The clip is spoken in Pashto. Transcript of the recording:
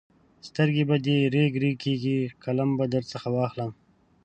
سترګې به دې رېګ رېګ کېږي؛ قلم به درڅخه واخلم.